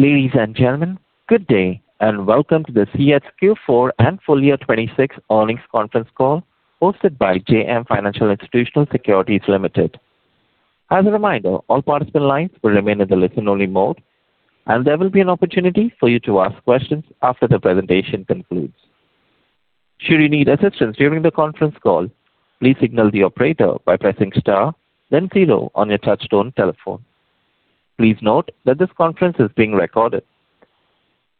Ladies and gentlemen, good day, and welcome to the CEAT's Q4 and full year 2026 earnings conference call hosted by JM Financial Institutional Securities Limited. As a reminder, all participant lines will remain in the listen-only mode, and there will be an opportunity for you to ask questions after the presentation concludes. Should you need assistance during the conference call, please signal the operator by pressing star then zero on your touchtone telephone. Please note that this conference is being recorded.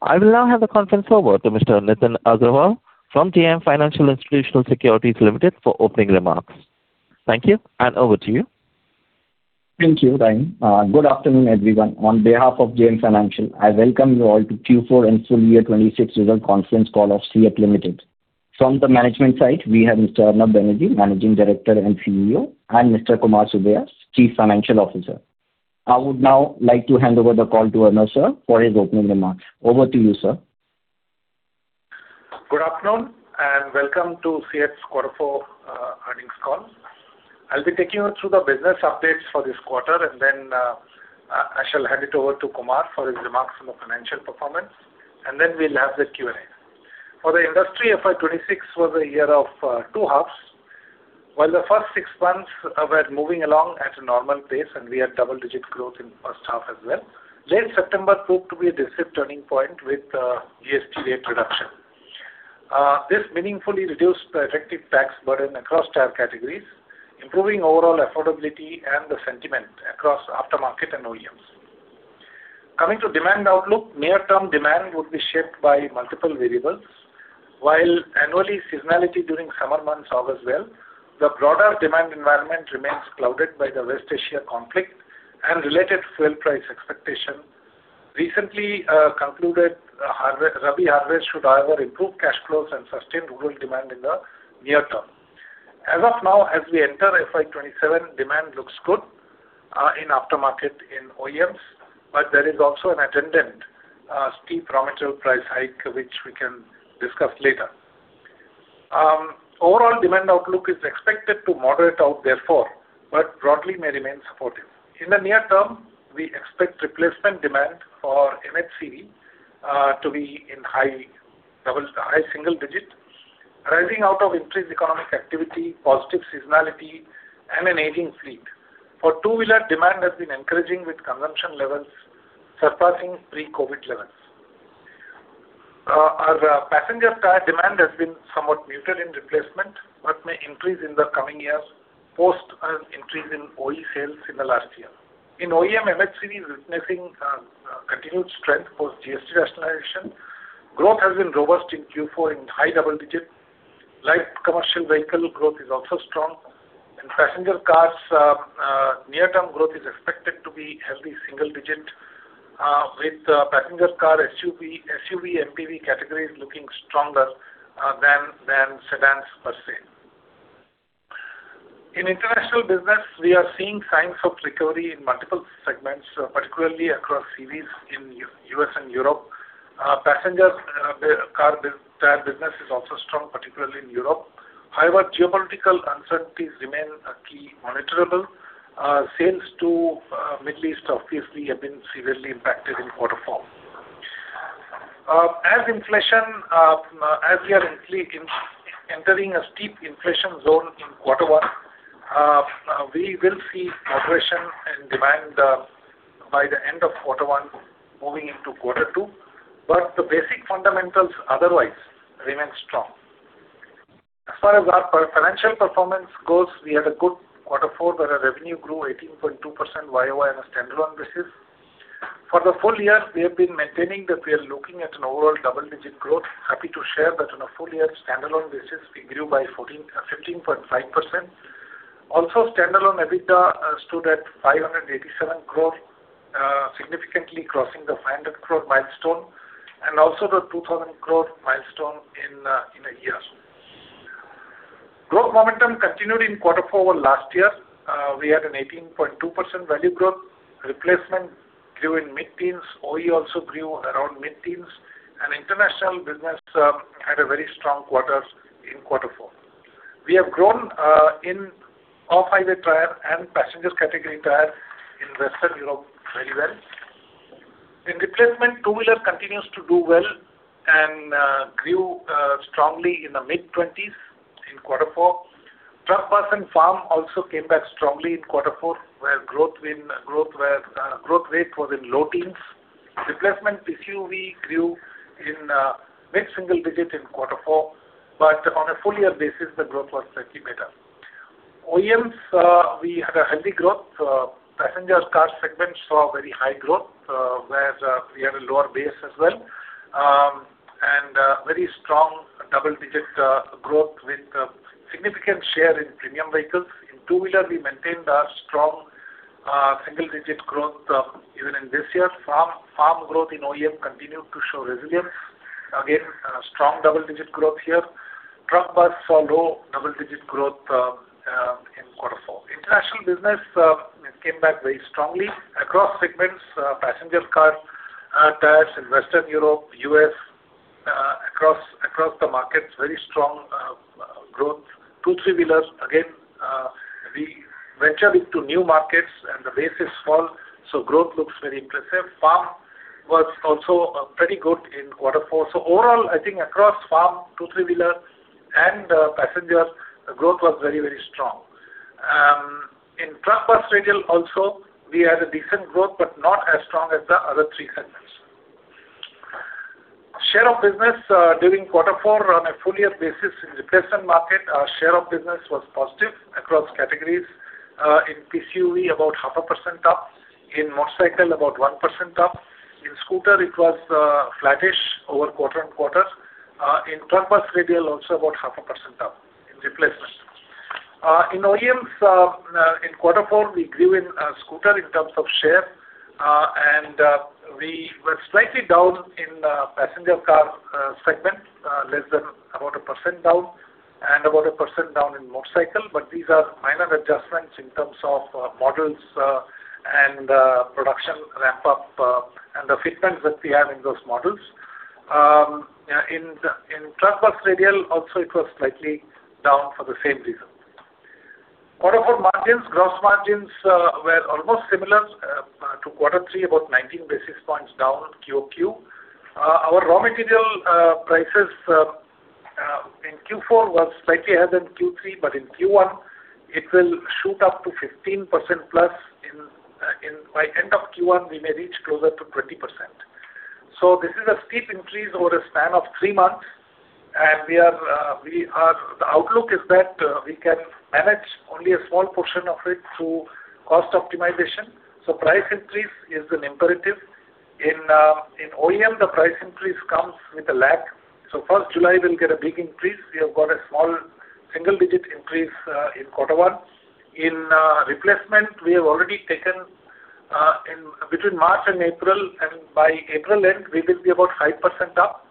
I will now hand the conference over to Mr. Nitin Agarwal from JM Financial Institutional Securities Limited for opening remarks. Thank you, and over to you. Thank you, Ryan. Good afternoon, everyone. On behalf of JM Financial, I welcome you all to Q4 and full year 2026 result conference call of CEAT Limited. From the management side, we have Mr. Arnab Banerjee, Managing Director and CEO, and Mr. Kumar Subbiah, Chief Financial Officer. I would now like to hand over the call to Arnab, sir, for his opening remarks. Over to you, sir. Good afternoon, and welcome to CEAT's Q4 earnings call. I'll be taking you through the business updates for this quarter, and then I shall hand it over to Kumar for his remarks on the financial performance, and then we'll have the Q&A. For the industry, FY 2026 was a year of two halves. While the first 6 months were moving along at a normal pace and we had double-digit growth in the first half as well, late September proved to be a decisive turning point with GST rate reduction. This meaningfully reduced the effective tax burden across tire categories, improving overall affordability and the sentiment across aftermarket and OEMs. Coming to demand outlook, near-term demand would be shaped by multiple variables. While annually seasonality during summer months augurs well, the broader demand environment remains clouded by the West Asia conflict and related fuel price expectation. Recently, concluded rabi harvest should, however, improve cash flows and sustain rural demand in the near term. As of now, as we enter FY 2027, demand looks good in aftermarket in OEMs, there is also an attendant, steep raw material price hike, which we can discuss later. Overall demand outlook is expected to moderate out therefore, broadly may remain supportive. In the near term, we expect replacement demand for MHCV to be in high single digit, rising out of increased economic activity, positive seasonality and an aging fleet. For two-wheeler, demand has been encouraging with consumption levels surpassing pre-COVID levels. Our passenger tire demand has been somewhat muted in replacement, but may increase in the coming years post an increase in OE sales in the last year. In OEM, MHCV is witnessing continued strength post GST rationalization. Growth has been robust in Q4 in high double-digit. Light commercial vehicle growth is also strong. In passenger cars, near-term growth is expected to be healthy single-digit, with passenger car SUV, MPV categories looking stronger than sedans per se. In international business, we are seeing signs of recovery in multiple segments, particularly across CVs in U.S. and Europe. Passenger car bus-tire business is also strong, particularly in Europe. However, geopolitical uncertainties remain a key monitorable. Sales to Middle East obviously have been severely impacted in quarter four. As inflation, as we are entering a steep inflation zone in quarter one, we will see moderation in demand by the end of quarter one moving into quarter two, the basic fundamentals otherwise remain strong. As far as our financial performance goes, we had a good quarter four where our revenue grew 18.2% YoY on a standalone basis. For the full year, we have been maintaining that we are looking at an overall double-digit growth. Happy to share that on a full year standalone basis, we grew by 15.5%. Standalone EBITDA stood at 587 crore, significantly crossing the 500 crore milestone, and also the 2,000 crore milestone in a year. Growth momentum continued in quarter four over last year. We had an 18.2% value growth. Replacement grew in mid-teens. OE also grew around mid-teens. International business had a very strong quarters in Q4. We have grown in off-highway tire and passengers category tire in Western Europe very well. In replacement, two-wheeler continues to do well and grew strongly in the mid-20s in Q4. Truck, bus and farm also came back strongly in Q4, where growth rate was in low teens. Replacement PCUV grew in mid-single digit in Q4, but on a full year basis, the growth was slightly better. OEMs, we had a healthy growth. Passenger car segment saw very high growth, whereas we had a lower base as well. Very strong double-digit growth with significant share in premium vehicles. In 2-wheeler, we maintained our strong, single-digit growth even in this year. Farm growth in OEM continued to show resilience. Strong double-digit growth here. Truck bus saw low double-digit growth in Q4. International business, it came back very strongly across segments, passenger car tires in Western Europe, USAcross the markets, very strong growth. 2, 3-wheelers, we ventured into new markets and the base is small, growth looks very impressive. Farm was also pretty good in Q4. Overall, I think across farm, 2, 3-wheeler, and passenger, the growth was very, very strong. In Truck Bus Radial also, we had a decent growth, not as strong as the other 3 segments. Share of business during quarter four on a full year basis in replacement market, our share of business was positive across categories. In PCUV, about 0.5% up. In motorcycle, about 1% up. In scooter, it was flattish over quarter-over-quarter. In Truck Bus Radial, also about 0.5% up in replacement. In OEMs, in quarter four, we grew in scooter in terms of share. We were slightly down in passenger car segment, less than about 1% down and about 1% down in motorcycle. These are minor adjustments in terms of models, and production ramp up, and the fitments that we have in those models. Yeah, in Truck Bus Radial also, it was slightly down for the same reason. Quarter four margins, gross margins, were almost similar to quarter three, about 19 basis points down QOQ. Our raw material prices in Q4 was slightly higher than Q3, but in Q1, it will shoot up to 15%+ by end of Q1, we may reach closer to 20%. This is a steep increase over a span of 3 months, and we are, the outlook is that we can manage only a small portion of it through cost optimization. Price increase is an imperative. In OEM, the price increase comes with a lag. 1st July, we'll get a big increase. We have got a small single-digit increase in quarter one. Replacement, we have already taken in between March and April, and by April end, we will be about 5% up.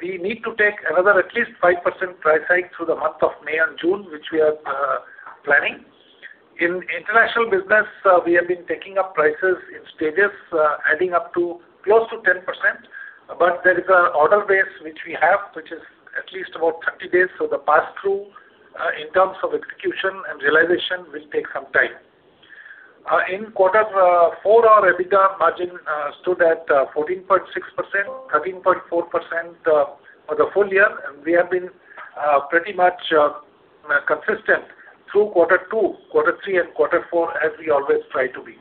We need to take another at least 5% price hike through the month of May and June, which we are planning. In international business, we have been taking up prices in stages, adding up to close to 10%. There is a order base which we have, which is at least about 30 days for the pass-through, in terms of execution and realization will take some time. In Q4, our EBITDA margin stood at 14.6%, 13.4% for the full year. We have been pretty much consistent through Q2, Q3, and Q4 as we always try to be.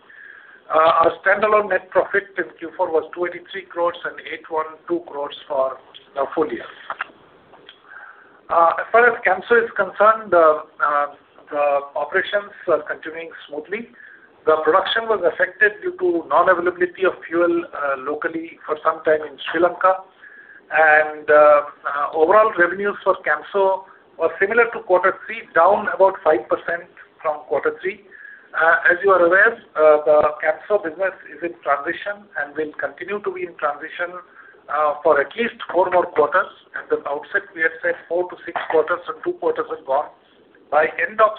Our standalone net profit in Q4 was 283 crores and 812 crores for the full year. As far as Camso is concerned, the operations are continuing smoothly. The production was affected due to non-availability of fuel locally for some time in Sri Lanka. Overall revenues for Camso were similar to quarter three, down about 5% from quarter three. As you are aware, the Camso business is in transition and will continue to be in transition for at least four more quarters. At the outset, we had said four to six quarters, and two quarters have gone. By end of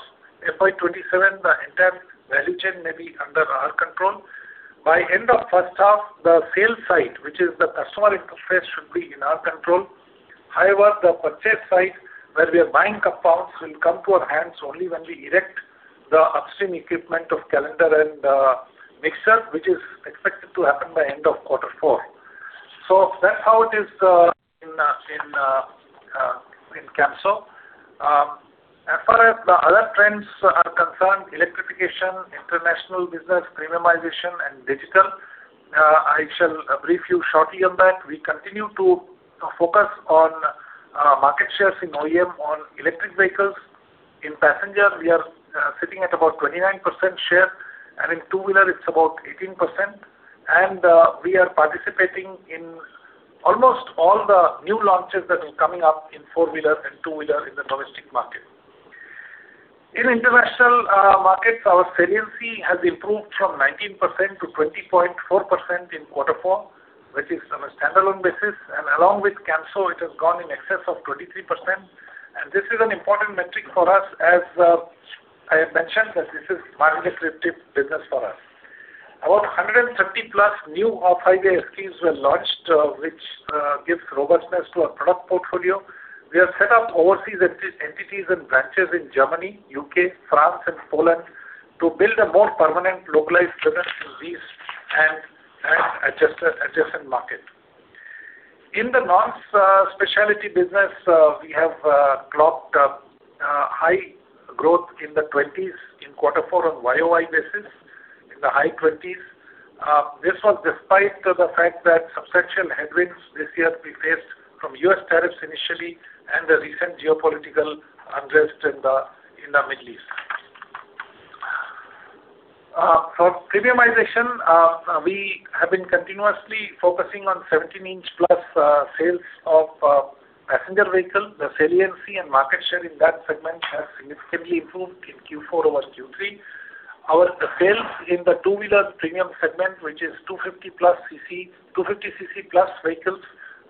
FY 2027, the entire value chain may be under our control. By end of first half, the sales side, which is the customer interface, should be in our control. However, the purchase side, where we are buying compounds, will come to our hands only when we erect the upstream equipment of calendar and mixer, which is expected to happen by end of quarter 4. That's how it is in Camso. As far as the other trends are concerned, electrification, international business, premiumization, and digital, I shall brief you shortly on that. We continue to focus on market shares in OEM on electric vehicles. In passenger, we are sitting at about 29% share, and in two-wheeler it's about 18%. We are participating in almost all the new launches that are coming up in four-wheeler and two-wheeler in the domestic market. In international markets, our saliency has improved from 19%-20.4% in quarter four, which is on a standalone basis. Along with Camso, it has gone in excess of 23%. This is an important metric for us, as I have mentioned that this is margin-accretive business for us. About 130+ new or revised SKUs were launched, which gives robustness to our product portfolio. We have set up overseas entities and branches in Germany, U.K., France, and Poland to build a more permanent localized presence in these and adjacent market. In the non-specialty business, we have clocked high growth in the 20s in Q4 on YOY basis, in the high 20s. This was despite the fact that substantial headwinds this year we faced from U.S. tariffs initially and the recent geopolitical unrest in the Middle East. For premiumization, we have been continuously focusing on 17-inch plus sales of passenger vehicle. The saliency and market share in that segment has significantly improved in Q4 over Q3. Our sales in the two-wheeler premium segment, which is 250 plus cc, 250 cc plus vehicles,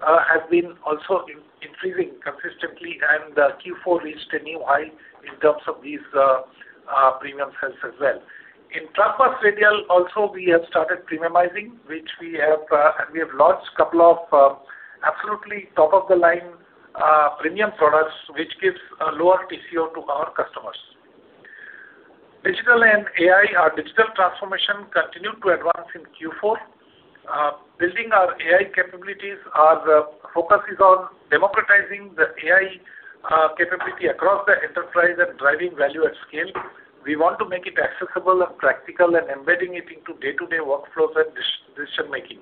have been also increasing continuously. Q4 reached a new high in terms of these premium sales as well. In Truck Bus Radial also we have started premiumizing, which we have, and we have launched couple of absolutely top-of-the-line premium products which gives a lower TCO to our customers. Digital and AI. Our digital transformation continued to advance in Q4. Building our AI capabilities, our focus is on democratizing the AI capability across the enterprise and driving value at scale. We want to make it accessible and practical and embedding it into day-to-day workflows and decision-making.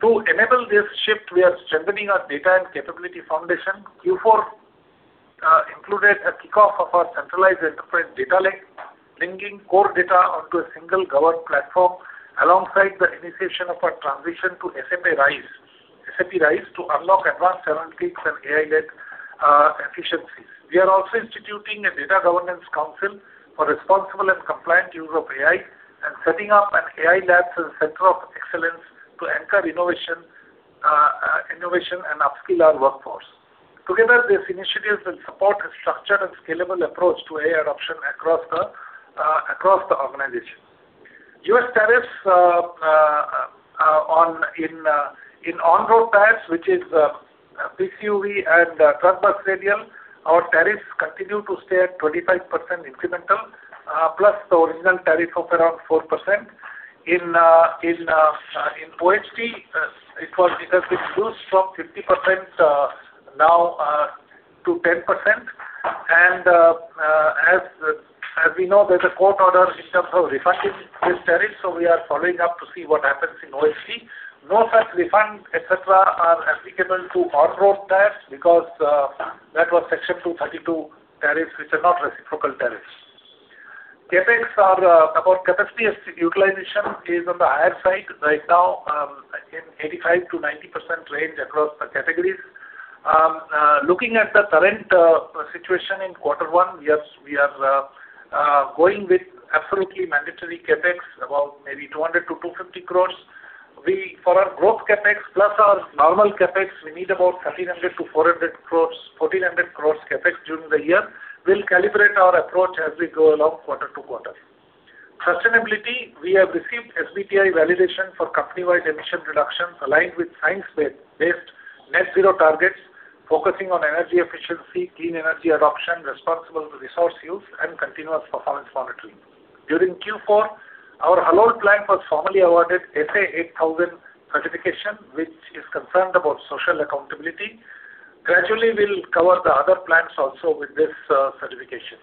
To enable this shift, we are strengthening our data and capability foundation. Q4 included a kickoff of our centralized enterprise data lake, linking core data onto a single governed platform alongside the initiation of our transition to SAP RISE. SAP RISE to unlock advanced analytics and AI-led efficiencies. We are also instituting a data governance council for responsible and compliant use of AI and setting up an AI lab as a center of excellence to anchor innovation and upskill our workforce. Together, these initiatives will support a structured and scalable approach to AI adoption across the organization. U.S. tariffs on in on-road tires, which is PCU and Truck Bus Radial, our tariffs continue to stay at 25% incremental plus the original tariff of around 4%. In OHT, it has reduced from 50%-10%. As we know, there's a court order in terms of refunding this tariff, so we are following up to see what happens in OHT. No such refund et cetera are applicable to on-road tires because that was Section 232 tariffs, which are not reciprocal tariffs. CapEx, our capacity utilization is on the higher side right now, in 85%-90% range across the categories. Looking at the current situation in quarter one, we are going with absolutely mandatory CapEx, about maybe 200-250 crores. For our growth CapEx plus our normal CapEx, we need about 1,300-400 crores, 1,400 crores CapEx during the year. We'll calibrate our approach as we go along quarter-to-quarter. Sustainability. We have received SBTI validation for company-wide emission reductions aligned with science-based net zero targets, focusing on energy efficiency, clean energy adoption, responsible resource use, and continuous performance monitoring. During Q4, our Halol plant was formally awarded SA8000 certification, which is concerned about social accountability. Gradually, we'll cover the other plants also with this certification.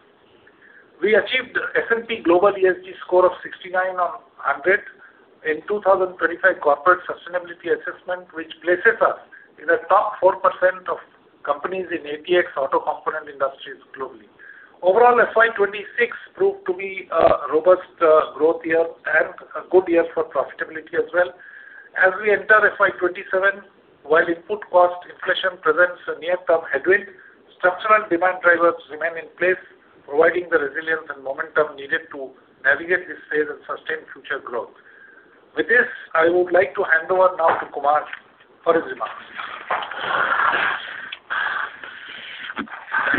We achieved S&P Global ESG score of 69 on 100 in 2025 corporate sustainability assessment, which places us in the top 4% of companies in Apex auto component industries globally. Overall, FY 2026 proved to be a robust growth year and a good year for profitability as well. As we enter FY 2027, while input cost inflation presents a near-term headwind, structural demand drivers remain in place, providing the resilience and momentum needed to navigate this phase and sustain future growth. With this, I would like to hand over now to Kumar for his remarks. Thank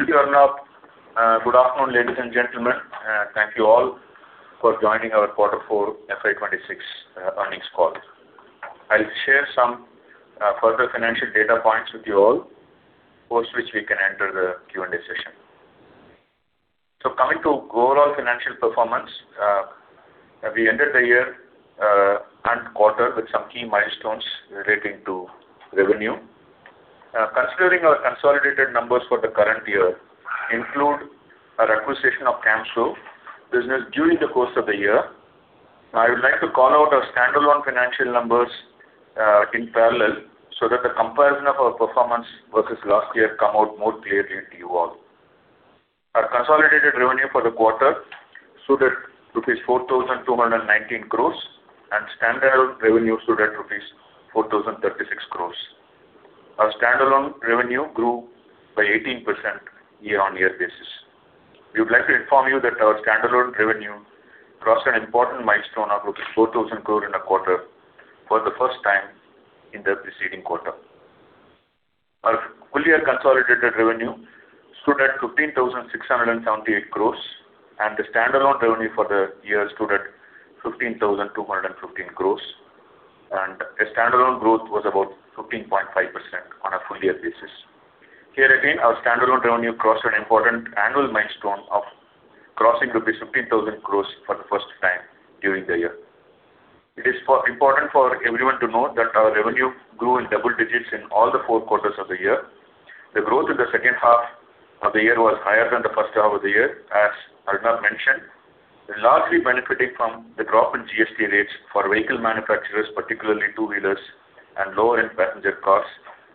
you, Arnab. Good afternoon, ladies and gentlemen. Thank you all for joining our quarter four FY 2026 earnings call. I'll share some further financial data points with you all, post which we can enter the Q&A session. Coming to overall financial performance, we ended the year and quarter with some key milestones relating to revenue. Considering our consolidated numbers for the current year include our acquisition of Camso business during the course of the year. I would like to call out our standalone financial numbers in parallel so that the comparison of our performance versus last year come out more clearly to you all. Our consolidated revenue for the quarter stood at rupees 4,219 crores, and standalone revenue stood at rupees 4,036 crores. Our standalone revenue grew by 18% year-on-year basis. We would like to inform you that our standalone revenue crossed an important milestone of rupees 4,000 crore in a quarter for the first time in the preceding quarter. Our full year consolidated revenue stood at 15,678 crore. The standalone revenue for the year stood at 15,215 crore. The standalone growth was about 15.5% on a full year basis. Here again, our standalone revenue crossed an important annual milestone of crossing rupees 15,000 crore for the first time during the year. It is important for everyone to note that our revenue grew in double-digits in all the four quarters of the year. The growth in the 2nd half of the year was higher than the 1st half of the year, as Arnab mentioned, largely benefiting from the drop in GST rates for vehicle manufacturers, particularly two-wheelers and lower-end passenger cars,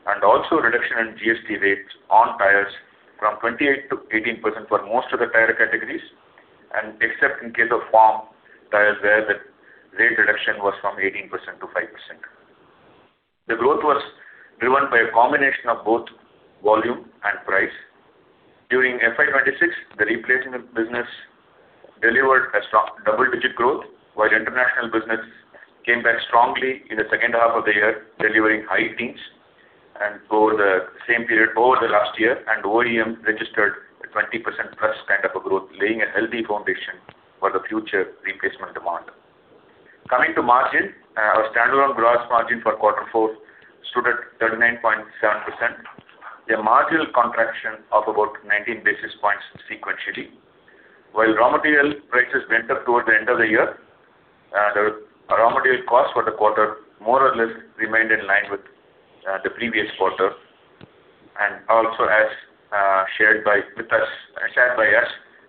and also reduction in GST rates on tires from 28%-18% for most of the tire categories, and except in case of farm tires, where the rate reduction was from 18%-5%. The growth was driven by a combination of both volume and price. During FY 2026, the replacement business-Strongly in the 2nd half of the year, delivering high teens and over the same period over the last year and OEM registered a 20%+ kind of a growth, laying a healthy foundation for the future replacement demand. Coming to margin, our standalone gross margin for quarter four stood at 39.7%, a marginal contraction of about 19 basis points sequentially. While raw material prices went up towards the end of the year, the raw material cost for the quarter more or less remained in line with the previous quarter and also as shared by us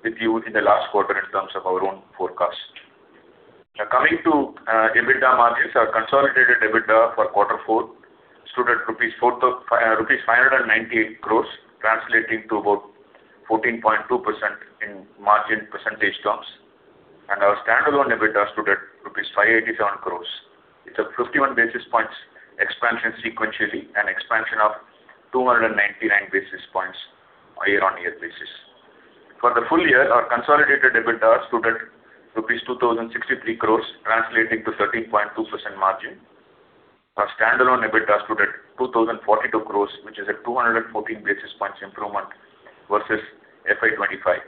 with you in the last quarter in terms of our own forecast. Now coming to EBITDA margins. Our consolidated EBITDA for quarter four stood at rupees 598 crores, translating to about 14.2% in margin percentage terms and our standalone EBITDA stood at rupees 587 crores. It's a 51 basis points expansion sequentially and expansion of 299 basis points year-on-year. For the full year, our consolidated EBITDA stood at rupees 2,063 crores, translating to 13.2% margin. Our standalone EBITDA stood at 2,042 crores, which is a 214 basis points improvement versus FY 2025.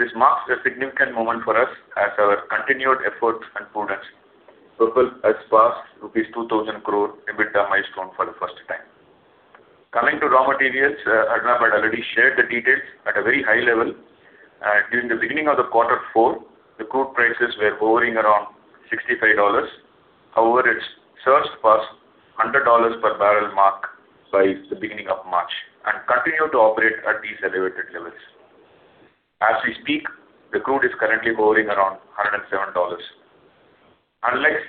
This marks a significant moment for us as our continued efforts and prudence propel us past rupees 2,000 crore EBITDA milestone for the first time. Coming to raw materials, Arnab had already shared the details at a very high level. During the beginning of the quarter four, the crude prices were hovering around $65. However, it surged past $100 per barrel mark by the beginning of March and continue to operate at these elevated levels. As we speak, the crude is currently hovering around $107. Unlike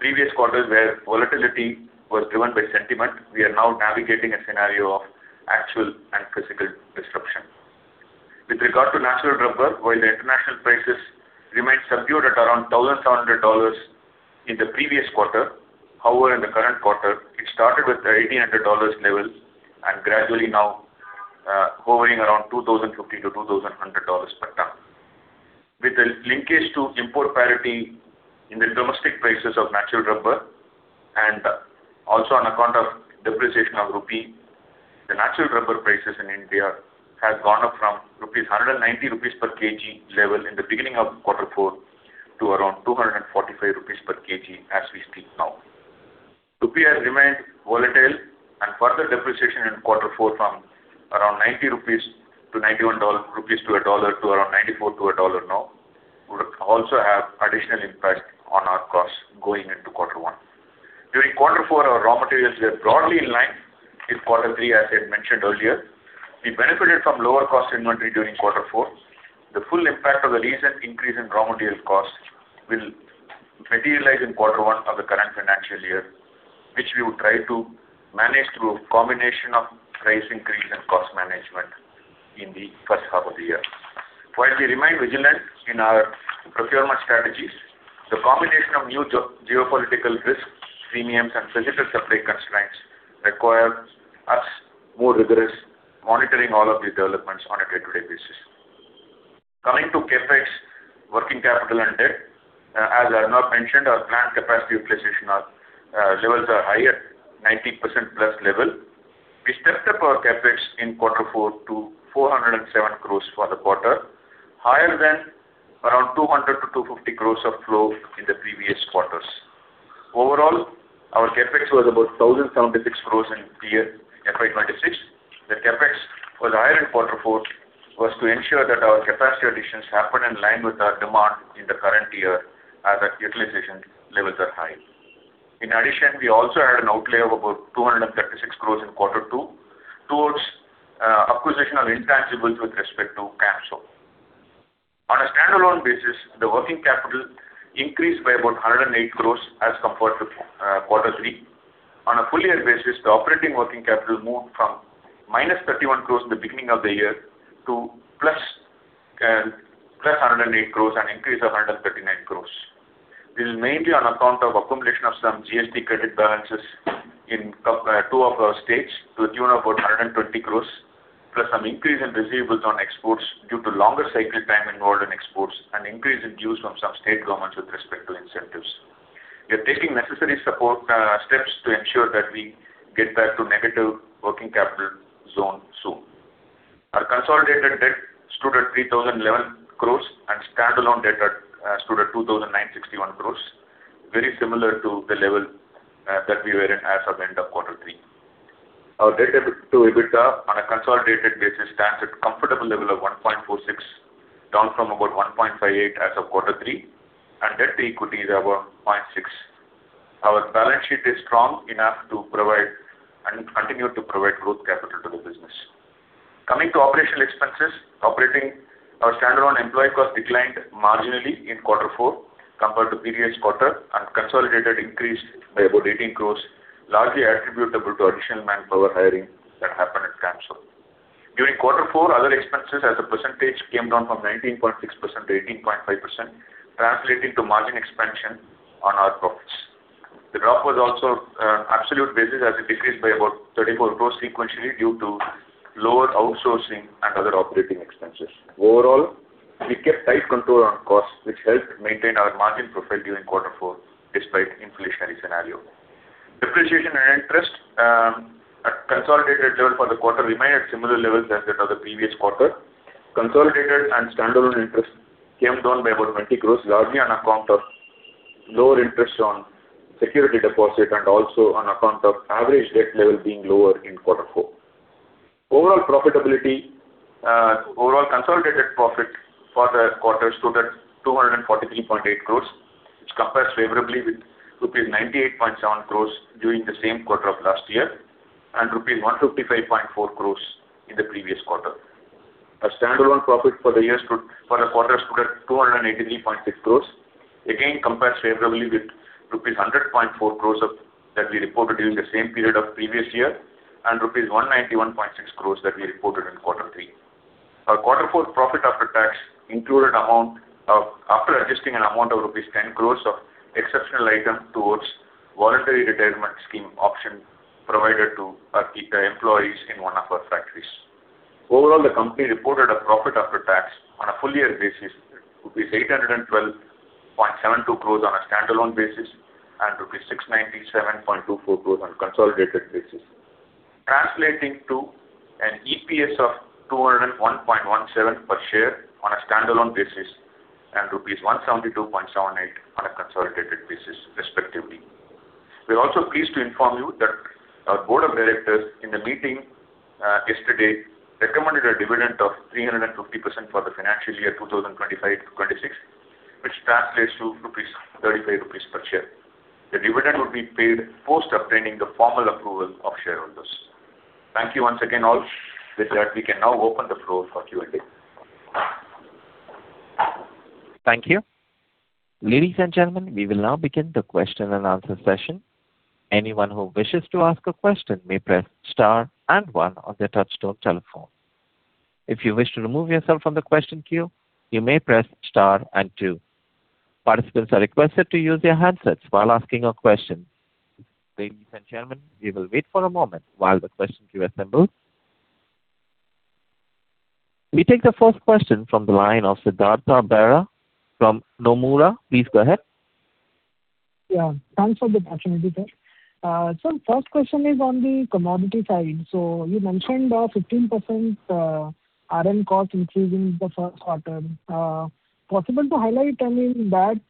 previous quarters where volatility was driven by sentiment, we are now navigating a scenario of actual and physical disruption. With regard to natural rubber, while the international prices remained subdued at around $1,700 in the previous quarter, however, in the current quarter it started with $1,800 level and gradually now hovering around $2,050-$2,100 per ton. With the linkage to import parity in the domestic prices of natural rubber and also on account of depreciation of rupee, the natural rubber prices in India has gone up from 190 rupees per kg level in the beginning of quarter four to around 245 rupees per kg as we speak now. Rupee has remained volatile and further depreciation in quarter four from around 90 rupees to INR 91 to a dollar to around 94 to a dollar now would also have additional impact on our costs going into quarter one. During quarter four, our raw materials were broadly in line with quarter three, as I had mentioned earlier. We benefited from lower cost inventory during quarter four. The full impact of the recent increase in raw material costs will materialize in quarter one of the current financial year, which we would try to manage through a combination of price increase and cost management in the first half of the year. While we remain vigilant in our procurement strategies, the combination of new geopolitical risks, premiums and physical supply constraints require us more rigorous monitoring all of these developments on a day-to-day basis. Coming to CapEx, working capital and debt. As Arnab mentioned, our plant capacity utilization levels are high at 90%+ level. We stepped up our CapEx in quarter four to 407 crores for the quarter, higher than around 200-250 crores of flow in the previous quarters. Overall, our CapEx was about 1,076 crores in the year FY 2026. The CapEx was higher in quarter four was to ensure that our capacity additions happen in line with our demand in the current year, as our utilization levels are high. In addition, we also had an outlay of about 236 crores in quarter two towards acquisition of intangibles with respect to Camso. On a standalone basis, the working capital increased by about 108 crores as compared to quarter three. On a full year basis, the operating working capital moved from minus 31 crores in the beginning of the year to plus 108 crores, an increase of 139 crores. This is mainly on account of accumulation of some GST credit balances in two of our states to the tune of about 120 crores, plus some increase in receivables on exports due to longer cycle time involved in exports and increase in dues from some state governments with respect to incentives. We are taking necessary support steps to ensure that we get back to negative working capital zone soon. Our consolidated debt stood at 3,011 crores and standalone debt stood at 2,961 crores, very similar to the level that we were in as of end of quarter three. Our debt-to-EBITDA on a consolidated basis stands at comfortable level of 1.46, down from about 1.58 as of Q3. Debt to equity is about 0.6. Our balance sheet is strong enough to provide and continue to provide growth capital to the business. Coming to operational expenses. Operating our standalone employee cost declined marginally in Q4 compared to previous quarter and consolidated increase by about 18 crore, largely attributable to additional manpower hiring that happened at Camso. During Q4, other expenses as a percentage came down from 19.6%-18.5%, translating to margin expansion on our profits. The drop was also absolute basis as it decreased by about 34 crore sequentially due to lower outsourcing and other operating expenses. We kept tight control on costs, which helped maintain our margin profile during quarter four despite inflationary scenario. Depreciation and interest at consolidated level for the quarter remained at similar levels as that of the previous quarter. Consolidated and standalone interest came down by about 20 crores, largely on account of lower interest on security deposit and also on account of average debt level being lower in quarter four. Overall consolidated profit for the quarter stood at 243.8 crores, which compares favorably with rupees 98.7 crores during the same quarter of last year and rupees 155.4 crores in the previous quarter. Our standalone profit for the quarter stood at 283.6 crores. compares favorably with rupees 100.4 crores that we reported during the same period of previous year and rupees 191.6 crores that we reported in Q3. Our Q4 profit after tax included after adjusting an amount of rupees 10 crores of exceptional item towards voluntary retirement scheme option provided to our Gita employees in one of our factories. Overall, the company reported a profit after tax on a full year basis, 812.72 crores rupees on a standalone basis and 697.24 crores rupees on consolidated basis. Translating to an EPS of 201.17 per share on a standalone basis and rupees 172.78 on a consolidated basis, respectively. We're also pleased to inform you that our board of directors in the meeting yesterday recommended a dividend of 350% for the FY 2025-2026, which translates to 35 rupees per share. The dividend will be paid post obtaining the formal approval of shareholders. Thank you once again all. With that, we can now open the floor for Q&A. Thank you. Ladies and gentlemen, we will now begin the question and answer session. Anyone who wishes to ask a question may press star one on their touchtone telephone. If you wish to remove yourself from the question queue, you may press star two. Participants are requested to use their handsets while asking a question. Ladies and gentlemen, we will wait for a moment while the question queue assembles. We take the first question from the line of Siddhartha Bera from Nomura. Please go ahead. Yeah, thanks for the opportunity, sir. First question is on the commodity side. You mentioned 15% RM cost increase in the first quarter. Possible to highlight, I mean that,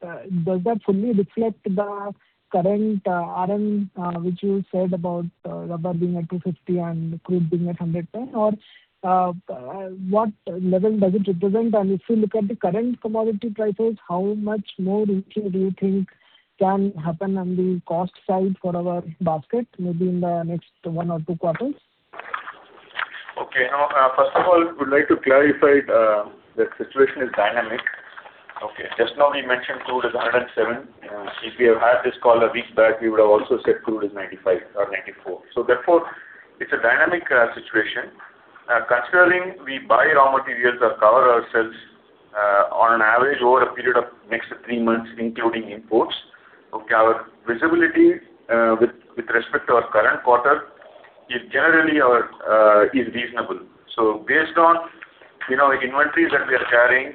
does that fully reflect the current RM, which you said about rubber being at 250 and crude being at 110? What level does it represent? If you look at the current commodity prices, how much more increase do you think can happen on the cost side for our basket, maybe in the next 1 or 2 quarters? Okay. First of all, I would like to clarify that situation is dynamic. Just now we mentioned crude is 107. If we have had this call a week back, we would have also said crude is 95 or 94. Therefore, it's a dynamic situation. Considering we buy raw materials or cover ourselves on an average over a period of next 3 months, including imports. Our visibility with respect to our current quarter is generally our is reasonable. Based on, you know, inventories that we are carrying,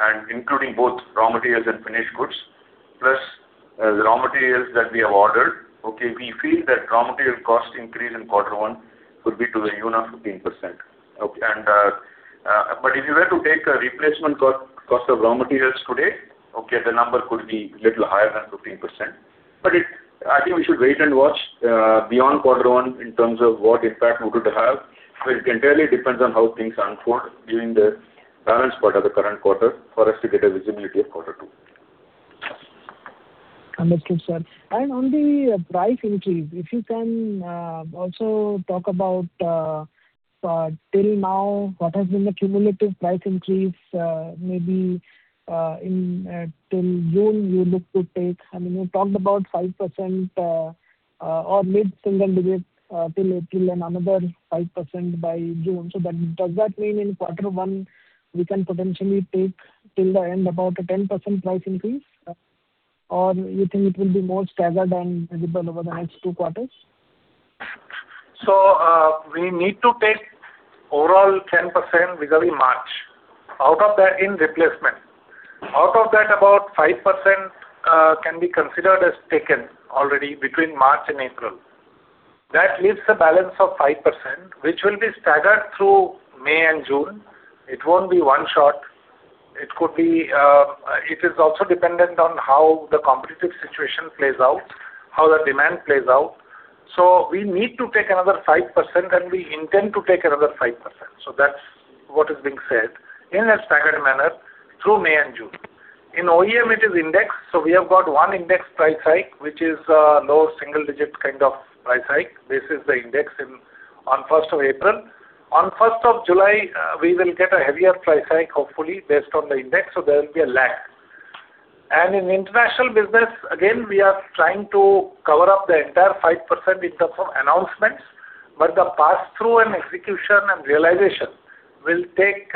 and including both raw materials and finished goods, plus the raw materials that we have ordered, okay, we feel that raw material cost increase in quarter one could be to the tune of 15%. If you were to take a replacement cost of raw materials today, okay, the number could be little higher than 15%. I think we should wait and watch beyond quarter one in terms of what impact would it have. It entirely depends on how things unfold during the balance quarter, the current quarter, for us to get a visibility of quarter two. Understood, sir. On the price increase, if you can also talk about until now, what has been the cumulative price increase, maybe in till June you look to take. I mean, you talked about 5% or mid-single digit till another 5% by June. Does that mean in Q1 we can potentially take till the end about a 10% price increase? Or you think it will be more staggered and visible over the next 2 quarters? We need to take overall 10% vis-à-vis March. Out of that in replacement. Out of that about 5%, can be considered as taken already between March and April. That leaves a balance of 5%, which will be staggered through May and June. It won't be 1 shot. It could be, it is also dependent on how the competitive situation plays out, how the demand plays out. We need to take another 5%, and we intend to take another 5%. That's what is being said in a staggered manner through May and June. In OEM, it is index, we have got 1 index price hike, which is, low single-digit kind of price hike. This is the index on 1st of April. On 1st of July, we will get a heavier price hike, hopefully based on the index, so there will be a lag. In international business, again, we are trying to cover up the entire 5% in terms of announcements, but the pass-through and execution and realization will take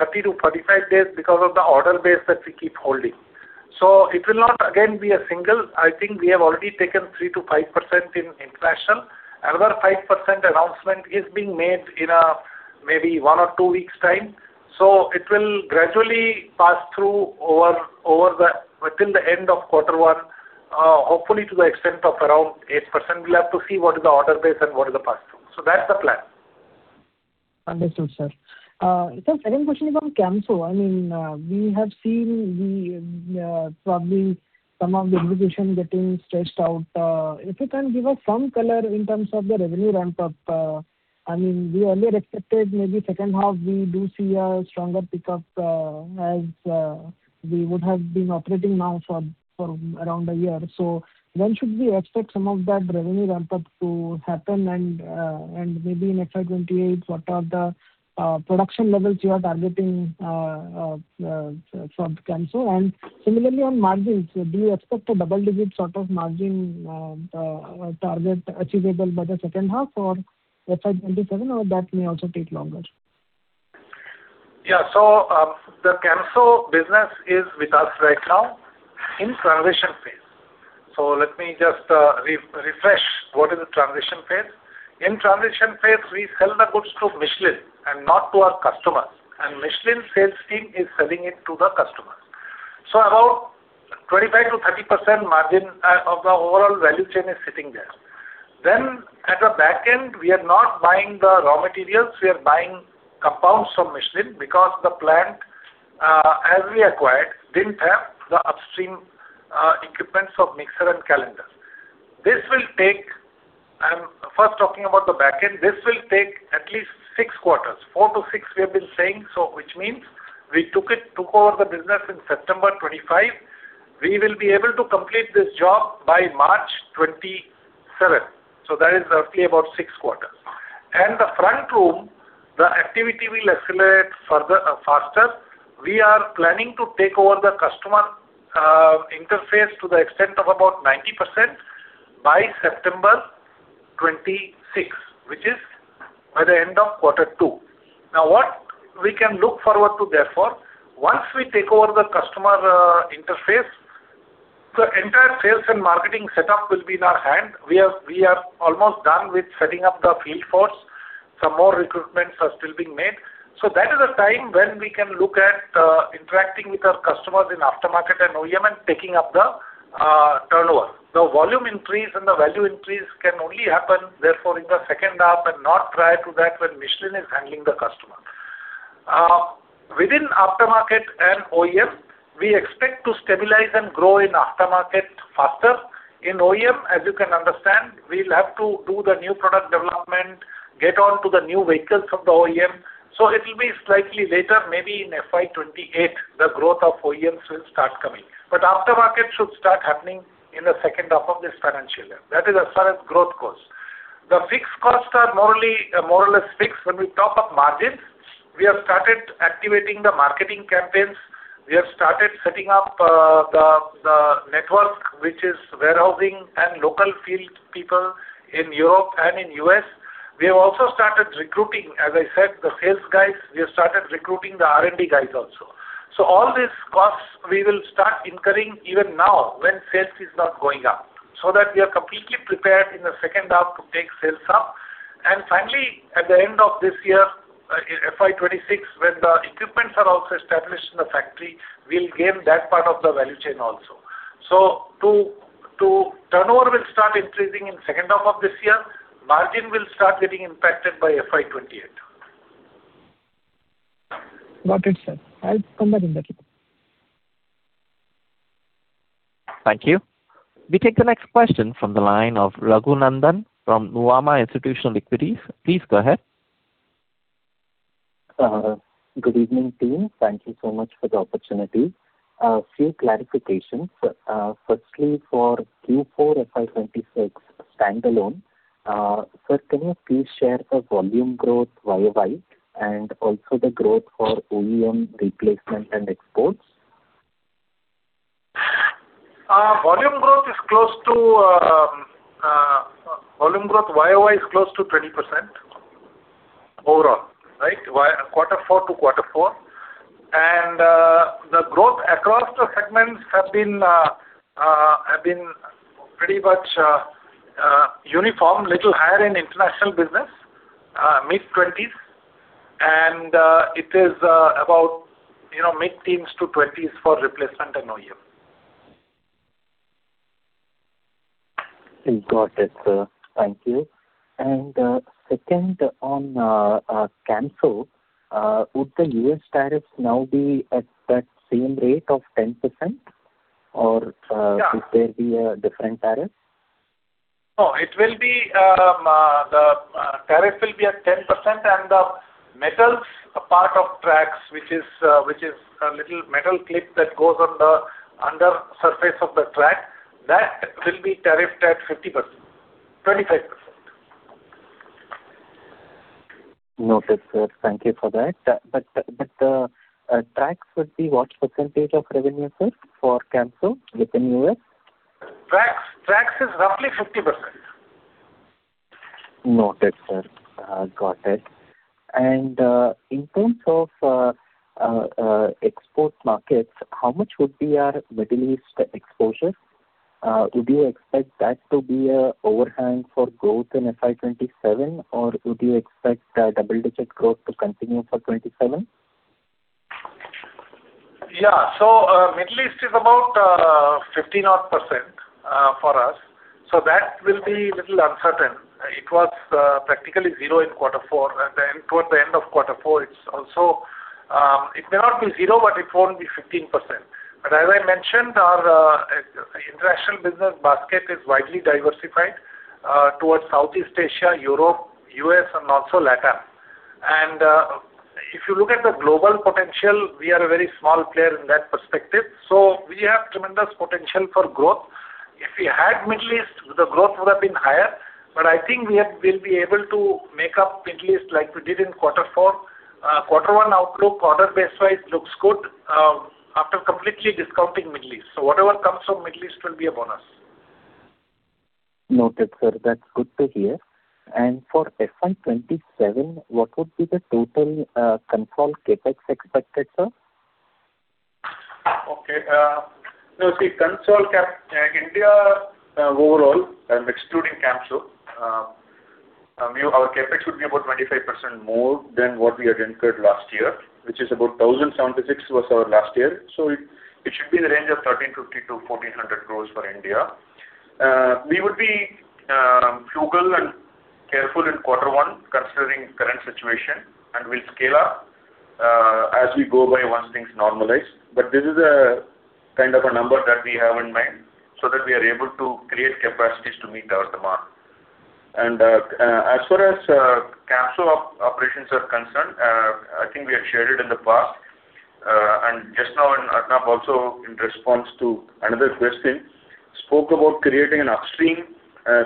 30-35 days because of the order base that we keep holding. It will not again be a single. I think we have already taken 3%-5% in international. Another 5% announcement is being made in, maybe 1 or 2 weeks' time. It will gradually pass through over the within the end of quarter one, hopefully to the extent of around 8%. We'll have to see what is the order base and what is the pass-through. That's the plan. Understood, sir. Sir, second question about Camso. I mean, we have seen the probably some of the integration getting stretched out. If you can give us some color in terms of the revenue ramp-up. I mean, we earlier expected maybe second half we do see a stronger pickup, as we would have been operating now for around 1 year. When should we expect some of that revenue ramp-up to happen and maybe in FY 2028, what are the production levels you are targeting for Camso? Similarly on margins, do you expect a double-digit sort of margin target achievable by the second half or FY 2027 or that may also take longer? The Camso business is with us right now in transition phase. Let me just re-refresh what is the transition phase. In transition phase, we sell the goods to Michelin and not to our customers, and Michelin sales team is selling it to the customers. About 25%-30% margin of the overall value chain is sitting there. At the back end, we are not buying the raw materials. We are buying compounds from Michelin because the plant, as we acquired, didn't have the upstream equipments of mixer and calendar. I'm first talking about the back end. This will take at least six quarters. four to six we have been saying, which means we took over the business in September 2025. We will be able to complete this job by March 2027. That is roughly about 6 quarters. The front room, the activity will accelerate further, faster. We are planning to take over the customer interface to the extent of about 90% by September 2026, which is by the end of quarter 2. What we can look forward to therefore, once we take over the customer interface, the entire sales and marketing setup will be in our hand. We are almost done with setting up the field force. Some more recruitments are still being made. That is a time when we can look at interacting with our customers in aftermarket and OEM and taking up the turnover. The volume increase and the value increase can only happen therefore in the second half and not prior to that when Michelin is handling the customer. Within aftermarket and OEM, we expect to stabilize and grow in aftermarket faster. In OEM, as you can understand, we'll have to do the new product development, get on to the new vehicles of the OEM. It'll be slightly later, maybe in FY 2028, the growth of OEMs will start coming. Aftermarket should start happening in the second half of this financial year. That is as far as growth goes. The fixed costs are more or less fixed when we top up margins. We have started activating the marketing campaigns. We have started setting up the network, which is warehousing and local field people in Europe and in U.S. We have also started recruiting, as I said, the sales guys. We have started recruiting the R&D guys also. All these costs we will start incurring even now when sales is not going up, so that we are completely prepared in the second half to take sales up. Finally, at the end of this year, in FY 2026, when the equipments are also established in the factory, we'll gain that part of the value chain also. Turnover will start increasing in second half of this year. Margin will start getting impacted by FY 2028. Got it, sir. I'll come back in the queue. Thank you. We take the next question from the line of Raghunandhan from Nuvama Institutional Equities. Please go ahead. Good evening, team. Thank you so much for the opportunity. Few clarifications. Firstly, for Q4 FY 2026 standalone, sir, can you please share the volume growth YoY and also the growth for OEM replacement and exports? Volume growth YoY is close to 20% overall, quarter four to quarter four. The growth across the segments have been pretty much uniform, little higher in international business, mid-20s. It is about mid-teens to 20s for replacement and OEM. Got it, sir. Thank you. Second on Camso, would the U.S. tariffs now be at that same rate of 10% or? Yeah. Could there be a different tariff? No, it will be the tariff will be at 10% and the metals part of tracks, which is a little metal clip that goes on the under surface of the track, that will be tariffed at 25%. Noted, sir. Thank you for that. Tracks would be what percentage of revenue, sir, for Camso within U.S.? Tracks is roughly 50%. Noted, sir. Got it. In terms of export markets, how much would be our Middle East exposure? Would you expect that to be a overhang for growth in FY 2027 or would you expect the double-digit growth to continue for 2027? Middle East is about 15% for us, that will be a little uncertain. It was practically 0 in quarter four. At the end, towards the end of quarter four, it's also It may not be 0, but it won't be 15%. As I mentioned, our international business basket is widely diversified towards Southeast Asia, Europe, U.S., and also LATAM. If you look at the global potential, we are a very small player in that perspective, so we have tremendous potential for growth. If we had Middle East, the growth would have been higher. I think we'll be able to make up Middle East like we did in quarter four. quarter one outlook, order base-wise looks good, after completely discounting Middle East. Whatever comes from Middle East will be a bonus. Noted, sir. That's good to hear. For FY 2027, what would be the total control CapEx expected, sir? Okay. No, see, control CapEx. India overall and excluding Camso, our CapEx would be about 25% more than what we had incurred last year, which is about 1,076 was our last year. It should be in the range of 1,350-1,400 crores for India. We would be frugal and careful in Q1 considering current situation, and we'll scale up as we go by once things normalize. This is a kind of a number that we have in mind so that we are able to create capacities to meet our demand. As far as Camso operations are concerned, I think we have shared it in the past. Just now and Arnab also in response to another question spoke about creating an upstream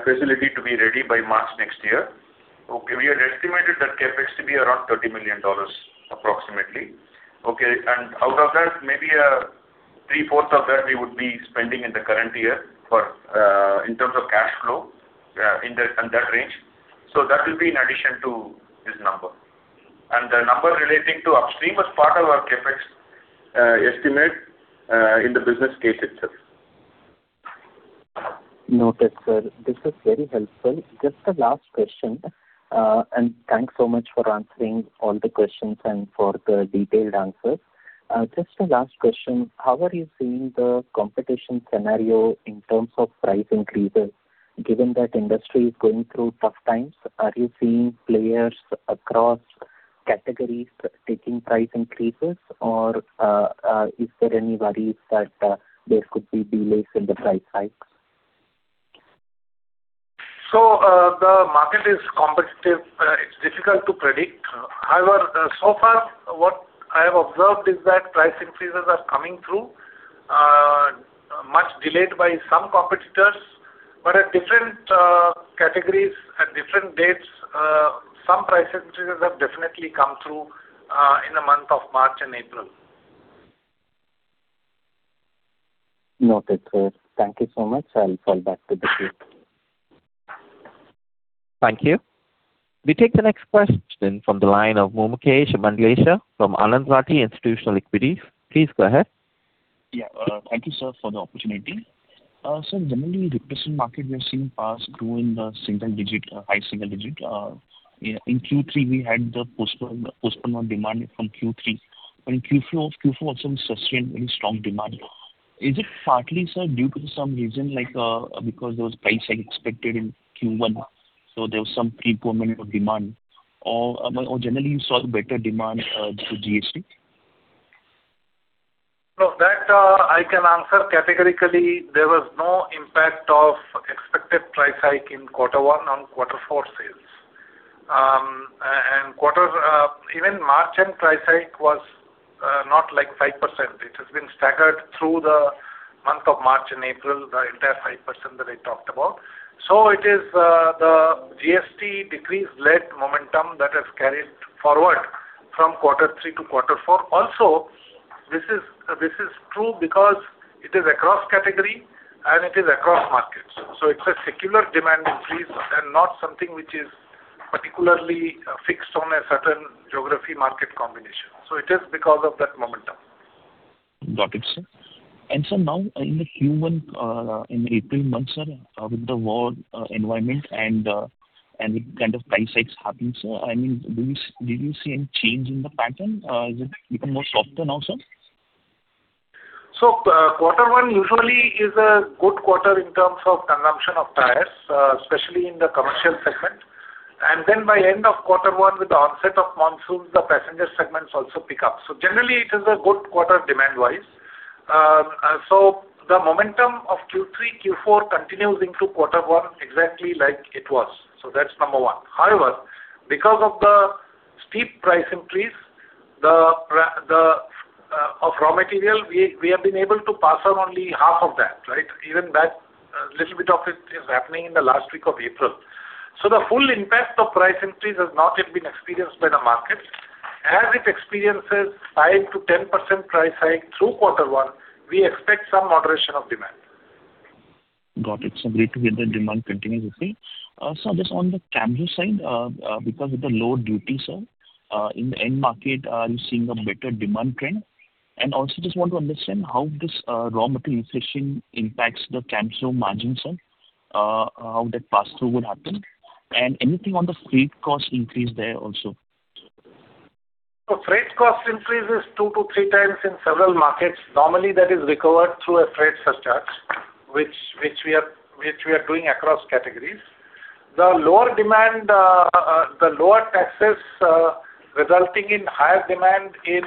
facility to be ready by March next year. We had estimated that CapEx to be around $30 million approximately. Out of that, maybe, three-fourths of that we would be spending in the current year for in terms of cash flow in that range. That will be in addition to this number. The number relating to upstream is part of our CapEx estimate in the business case itself. Noted, sir. This is very helpful. Just a last question. Thanks so much for answering all the questions and for the detailed answers. Just a last question. How are you seeing the competition scenario in terms of price increases given that industry is going through tough times? Are you seeing players across categories taking price increases or is there any worries that there could be delays in the price hikes? The market is competitive. It's difficult to predict. However, so far, what I have observed is that price increases are coming through, much delayed by some competitors, but at different categories, at different dates. Some price increases have definitely come through in the month of March and April. Noted, sir. Thank you so much. I'll fall back to the queue. Thank you. We take the next question from the line of Mumuksh Mandlesha from Anand Rathi Institutional Equities. Please go ahead. Yeah. Thank you, sir, for the opportunity. Sir, generally replacement market we are seeing pace grow in the single digit, high single digit. In Q3 we had the postponement demand from Q3. In Q4 also sustained very strong demand. Is it partly, sir, due to some reason like because those price hike expected in Q1, so there was some pre-ponement of demand or generally you saw better demand due to GST? No, that, I can answer categorically there was no impact of expected price hike in Q1 on Q4 sales. Even March end price hike was not like 5%. It has been staggered through the month of March and April, the entire 5% that I talked about. It is the GST decrease-led momentum that has carried forward from Q3 to Q4. This is true because it is across category and it is across markets. It's a secular demand increase and not something which is particularly fixed on a certain geography market combination. It is because of that momentum. Got it, sir. Sir, now in the Q1, in April month, sir, with the war environment and kind of price hikes happening, sir, I mean, did you see any change in the pattern? Has it become more softer now, sir? Quarter one usually is a good quarter in terms of consumption of tires, especially in the commercial segment. By end of quarter one with the onset of monsoons, the passenger segments also pick up. Generally it is a good quarter demand-wise. The momentum of Q3, Q4 continues into quarter one exactly like it was. That's number 1. However, because of the steep price increase, the raw material, we have been able to pass on only half of that, right? Even that little bit of it is happening in the last week of April. The full impact of price increase has not yet been experienced by the market. As it experiences 5%-10% price hike through quarter one, we expect some moderation of demand. Got it. Great to hear the demand continues. Okay. Sir, just on the Camso side, because of the lower duty, sir, in the end market, are you seeing a better demand trend? Also just want to understand how this raw material inflation impacts the Camso margins, sir. How that pass-through would happen. Anything on the freight cost increase there also. Freight cost increase is 2 to 3x in several markets. Normally, that is recovered through a freight surcharge, which we are doing across categories. The lower demand, the lower taxes, resulting in higher demand in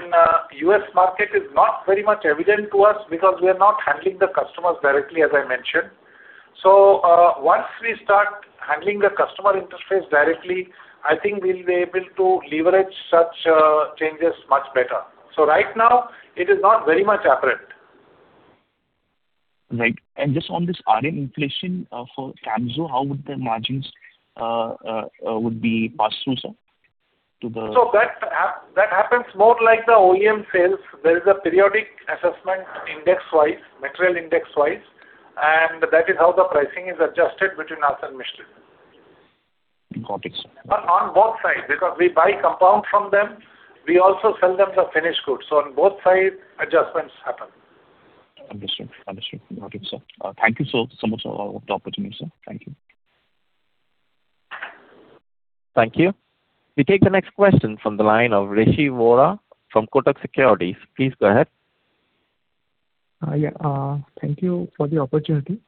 U.S. market is not very much evident to us because we are not handling the customers directly, as I mentioned. Once we start handling the customer interface directly, I think we'll be able to leverage such changes much better. Right now it is not very much apparent. Right. Just on this raw material inflation, for Camso, how would the margins would be passed through, sir? That happens more like the OEM sales. There is a periodic assessment index-wise, material index-wise, and that is how the pricing is adjusted between us and Michelin. Got it, sir. On both sides, because we buy compound from them, we also sell them the finished goods. On both sides, adjustments happen. Understood. Understood. Got it, sir. Thank you so much for the opportunity, sir. Thank you. Thank you. We take the next question from the line of Rishi Vora from Kotak Securities. Please go ahead. Yeah. Thank you for the opportunity.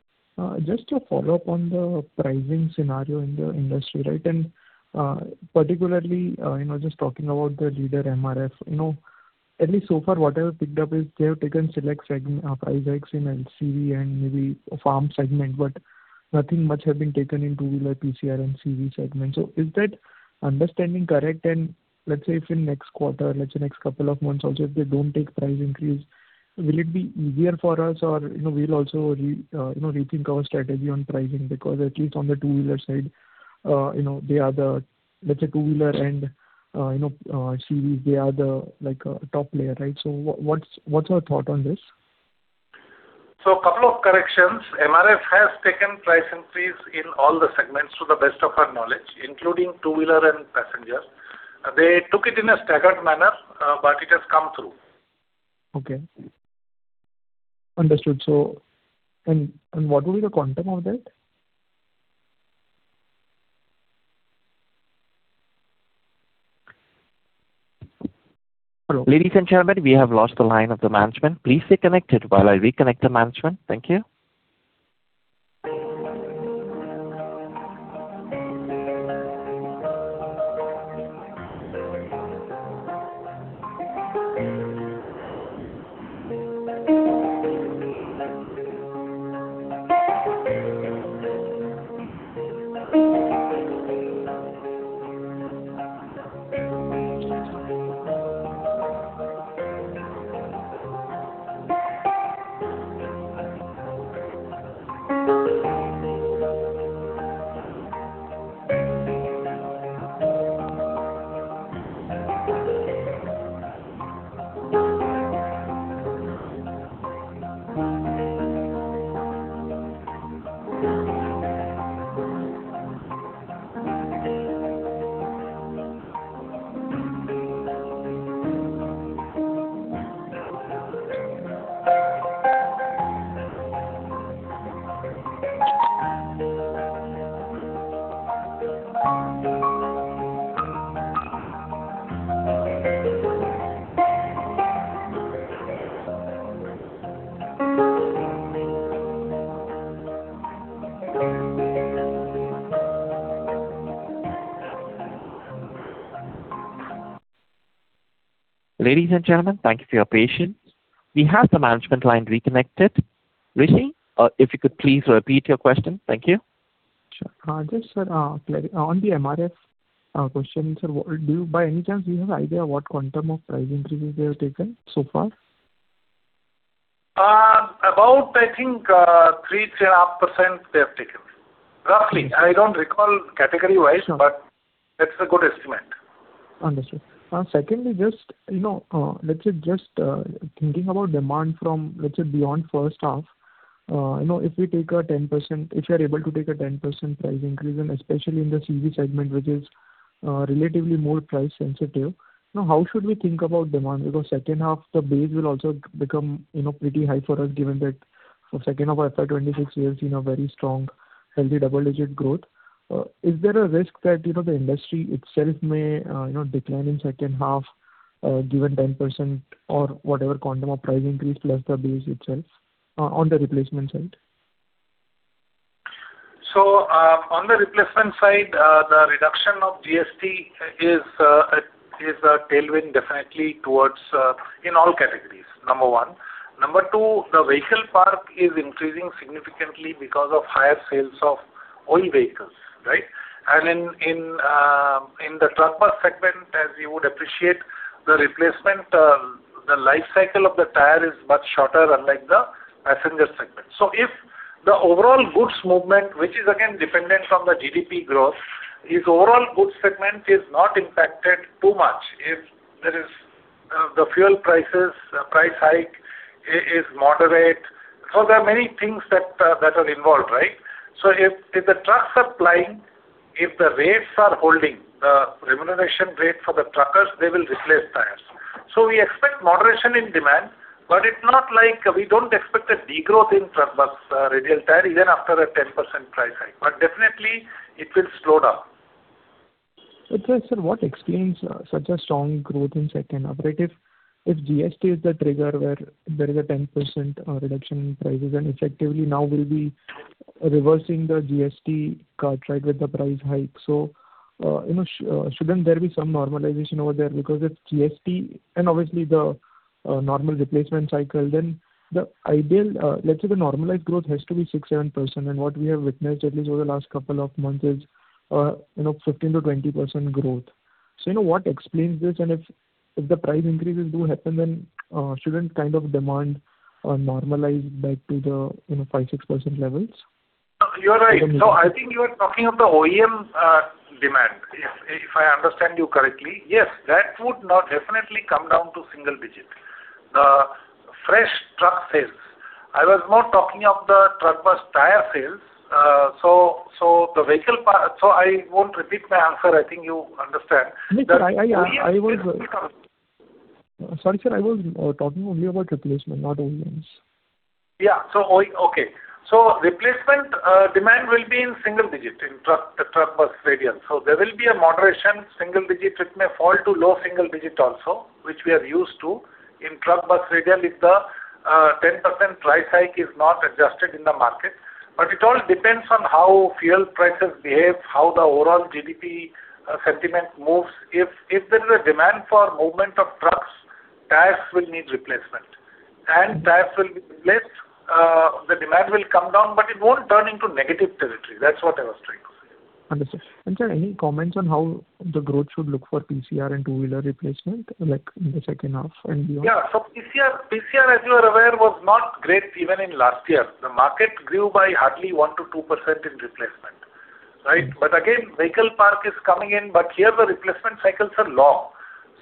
Just to follow up on the pricing scenario in the industry, right? Particularly, you know, just talking about the leader, MRF, you know, at least so far, what I've picked up is they have taken select segment price hikes in LCV and maybe farm segment, but nothing much have been taken in two-wheeler, PCR and CV segment. Is that understanding correct? Let's say if in next quarter, let's say next couple of months also, if they don't take price increase, will it be easier for us or, you know, we'll also rethink our strategy on pricing? At least on the two-wheeler side, you know, they are the, let's say, two-wheeler and, you know, CV, they are the, like, top player, right? What's your thought on this? Couple of corrections. MRF has taken price increase in all the segments to the best of our knowledge, including two-wheeler and passenger. They took it in a staggered manner, it has come through. Okay. Understood. What will be the quantum of that? Ladies and gentlemen, we have lost the line of the management. Please stay connected while I reconnect the management. Thank you. Ladies and gentlemen, thank you for your patience. We have the management line reconnected. Rishi, if you could please repeat your question. Thank you. Sure. Just, sir, on the MRF question, sir, do you by any chance have idea what quantum of price increase they have taken so far? About I think three and a half % they have taken. Roughly. I don't recall category-wise. That's a good estimate. Understood. Secondly, just, you know, let's say just, thinking about demand from, let's say, beyond first half, you know, if we take a 10%, if you're able to take a 10% price increase, and especially in the CV segment, which is relatively more price sensitive, you know, how should we think about demand? Because second half the base will also become, you know, pretty high for us, given that for second half of FY 2026 we have seen a very strong, healthy double-digit growth. Is there a risk that, you know, the industry itself may, you know, decline in second half, given 10% or whatever quantum of price increase plus the base itself, on the replacement side? On the replacement side, the reduction of GST is a tailwind definitely towards in all categories, number 1. Number 2, the vehicle park is increasing significantly because of higher sales of oil vehicles, right? In the truck bus segment, as you would appreciate, the replacement, the life cycle of the tire is much shorter, unlike the passenger segment. If the overall goods movement, which is again dependent from the GDP growth, if overall goods segment is not impacted too much, if there is the fuel prices, price hike is moderate. There are many things that are involved, right? If the trucks are plying, if the rates are holding, the remuneration rate for the truckers, they will replace tires. We expect moderation in demand, but it's not like we don't expect a degrowth in Truck Bus Radial tire even after a 10% price hike. Definitely it will slow down. Okay. What explains such a strong growth in second half? Right. If GST is the trigger where there is a 10% reduction in prices, effectively now we'll be reversing the GST cut, right, with the price hike. You know, shouldn't there be some normalization over there? Because if GST and obviously the normal replacement cycle, then the ideal, let's say the normalized growth has to be 6%, 7%. What we have witnessed at least over the last couple of months is, you know, 15%-20% growth. You know, what explains this? If the price increases do happen, shouldn't kind of demand normalize back to the, you know, 5%, 6% levels? You are right. I think you are talking of the OEM, demand, if I understand you correctly. Yes, that would not definitely come down to single digit. The fresh truck sales. I was not talking of the truck bus tire sales. I won't repeat my answer. I think you understand. No, sir. I was- The OEM sales will. Sorry, sir, I was talking only about replacement, not OEMs. Replacement demand will be in single digit in truck, the Truck Bus Radial. There will be a moderation, single digit. It may fall to low single digit also, which we are used to in Truck Bus Radial if the 10% price hike is not adjusted in the market. It all depends on how fuel prices behave, how the overall GDP sentiment moves. If there is a demand for movement of trucks, tires will need replacement, and tires will be replaced. The demand will come down, but it won't turn into negative territory. That's what I was trying to say. Sir, any comments on how the growth should look for PCR and two-wheeler replacement, like in the second half and beyond? Yeah. PCR, as you are aware, was not great even in last year. The market grew by hardly 1%-2% in replacement, right? Again, vehicle park is coming in. Here the replacement cycles are long.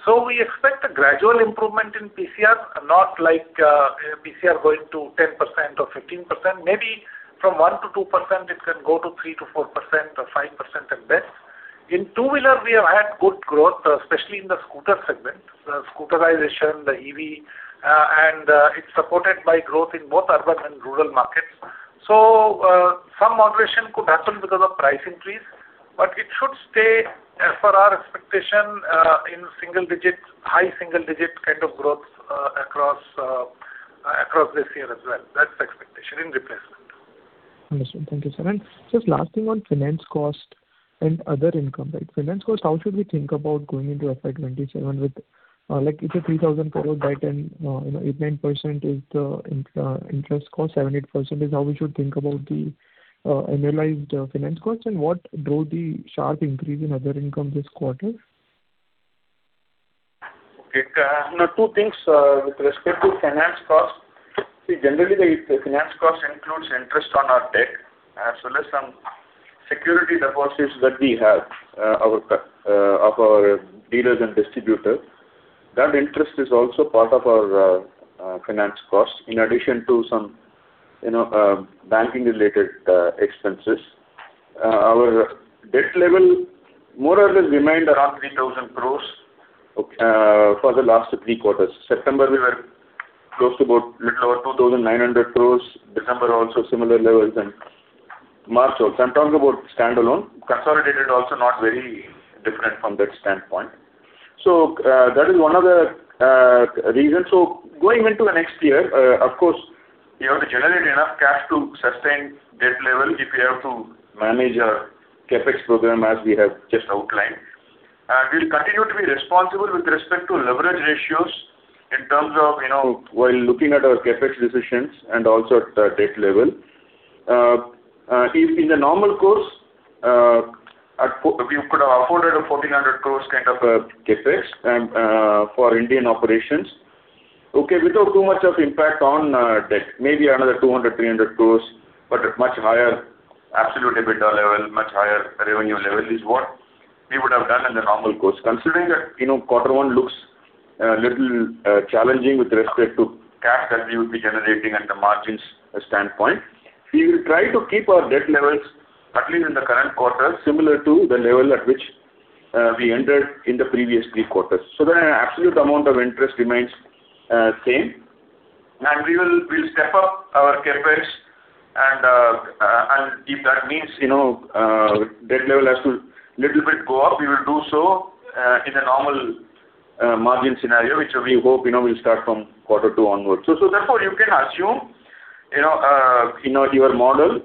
We expect a gradual improvement in PCR, not like PCR going to 10% or 15%. Maybe from 1%-2%, it can go to 3%-4% or 5% at best. In two-wheeler, we have had good growth, especially in the scooter segment, the scooterization, the EV, and it's supported by growth in both urban and rural markets. Some moderation could happen because of price increase, but it should stay, as per our expectation, in single digits, high single digit kind of growth, across this year as well. That's expectation in replacement. Understood. Thank you, sir. Just last thing on finance cost and other income, right? Finance cost, how should we think about going into FY 2027 with like it's a 3,000 crore debt and, you know, 8%-9% is the interest cost, 7%-8% is how we should think about the annualized finance cost. What drove the sharp increase in other income this quarter? Okay. You know, two things with respect to finance cost. See, generally the finance cost includes interest on our debt, as well as some security deposits that we have of our dealers and distributors. That interest is also part of our finance cost in addition to some, you know, banking related expenses. Our debt level more or less remained around 3,000 crores for the last three quarters. September, we were close to about little over 2,900 crores. December also similar levels, and March also. I'm talking about standalone. Consolidated also not very different from that standpoint. That is one of the reasons. Going into the next year, of course, you have to generate enough cash to sustain debt level if you have to manage a CapEx program as we have just outlined. We'll continue to be responsible with respect to leverage ratios in terms of, you know, while looking at our CapEx decisions and also at the debt level. In the normal course, we could have afforded a 1,400 crores kind of a CapEx and for Indian operations, okay, without too much of impact on debt. Maybe another 200-300 crores, but at much higher absolute EBITDA level, much higher revenue level is what we would have done in the normal course. Considering that, you know, quarter 1 looks a little challenging with respect to cash that we would be generating and the margins standpoint, we will try to keep our debt levels at least in the current quarter, similar to the level at which we entered in the previous 3 quarters. The absolute amount of interest remains same. We will, we'll step up our CapEx and if that means, you know, debt level has to little bit go up, we will do so in a normal margin scenario, which we hope, you know, will start from quarter 2 onwards. Therefore, you can assume, you know, in your model,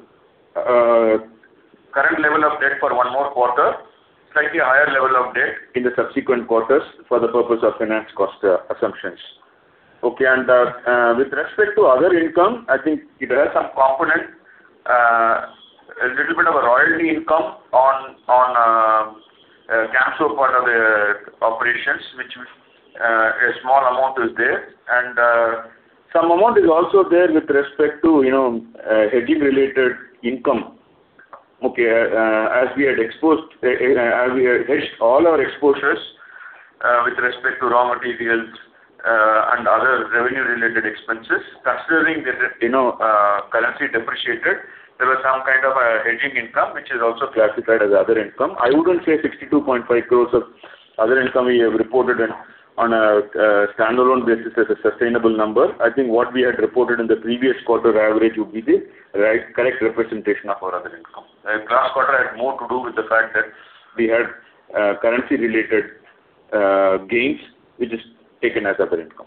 current level of debt for 1 more quarter, slightly higher level of debt in the subsequent quarters for the purpose of finance cost assumptions. Okay. With respect to other income, I think it has some component, a little bit of a royalty income on a Camso part of the operations, which a small amount is there. Some amount is also there with respect to, you know, hedging related income. Okay, as we had exposed, as we had hedged all our exposures, with respect to raw materials, and other revenue-related expenses, considering that, you know, currency depreciated, there was some kind of a hedging income which is also classified as other income. I wouldn't say 62.5 crores of other income we have reported on a standalone basis is a sustainable number. I think what we had reported in the previous quarter average would be the right, correct representation of our other income. Last quarter had more to do with the fact that we had currency related gains, which is taken as other income.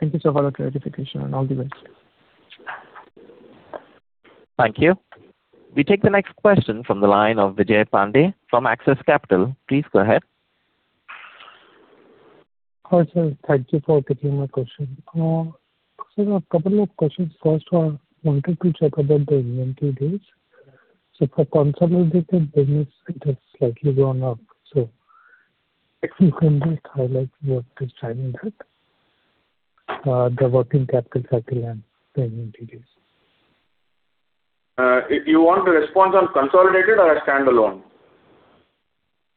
Thank you, sir, for the clarification, and all the best. Thank you. We take the next question from the line of Vijay Pandey from Axis Capital. Please go ahead. Hi, sir. Thank you for taking my question. Sir, a couple of questions. First, I wanted to check about the inventory days. For consolidated business, it has slightly gone up. If you can just highlight what is driving that, the working capital cycle and the inventory days. You want a response on consolidated or standalone?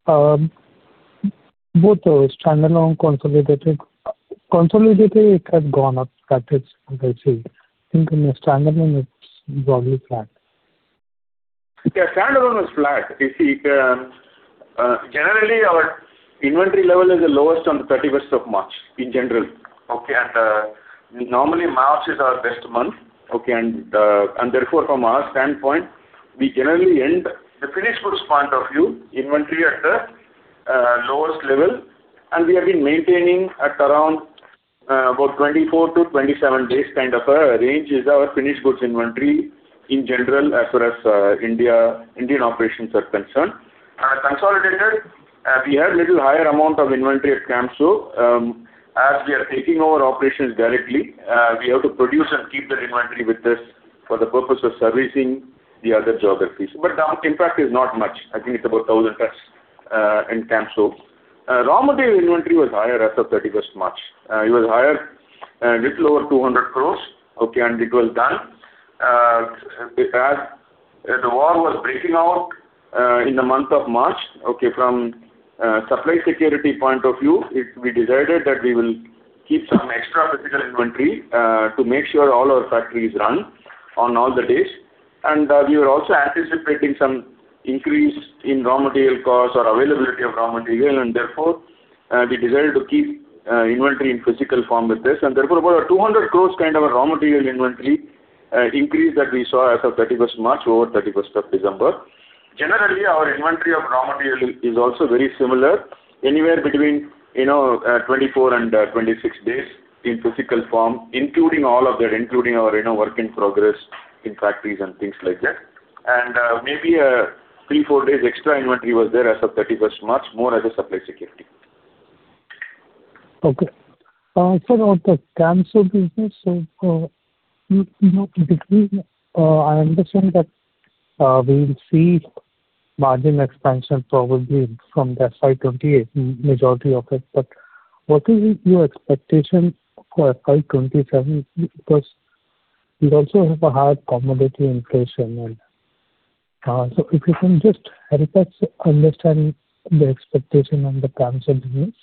Both. Standalone, consolidated. Consolidated, it has gone up, that is what I see. I think in standalone it's probably flat. Yeah, standalone is flat. If you, generally our inventory level is the lowest on 31st of March, in general. Normally March is our best month. Therefore, from our standpoint, we generally end the finished goods point of view inventory at the lowest level. We have been maintaining at around 24-27 days kind of a range is our finished goods inventory in general, as far as India, Indian operations are concerned. Consolidated, we had little higher amount of inventory at Camso. As we are taking over operations directly, we have to produce and keep that inventory with this for the purpose of servicing the other geographies. The impact is not much. I think it's about 1,000 tons in Camso. Raw material inventory was higher as of 31st March. It was higher, a little over 200 crores. Okay. It was done. As the war was breaking out, in the month of March, okay, from a supply security point of view, we decided that we will keep some extra physical inventory to make sure all our factories run on all the days. We were also anticipating some increase in raw material costs or availability of raw material and therefore, we decided to keep inventory in physical form with this. Therefore, about an 200 crores kind of a raw material inventory increase that we saw as of 31st March over 31st of December. Generally, our inventory of raw material is also very similar, anywhere between, you know, 24 and 26 days in physical form, including all of that, including our, you know, work in progress in factories and things like that. Maybe, 3, 4 days extra inventory was there as of 31st March, more as a supply security. Okay. Sir, on the Camso business, you know, I understand that we will see margin expansion probably from the FY 2028, majority of it. What is your expectation for FY 2027? If you can just help us understand the expectation on the Camso business.